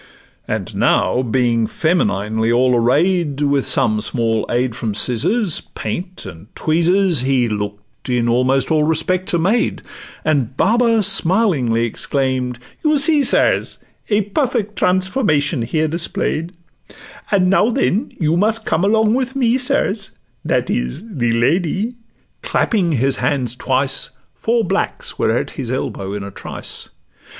And now being femininely all array'd, With some small aid from scissors, paint, and tweezers, He look'd in almost all respects a maid, And Baba smilingly exclaim'd, 'You see, sirs, A perfect transformation here display'd; And now, then, you must come along with me, sirs, That is—the Lady:' clapping his hands twice, Four blacks were at his elbow in a trice.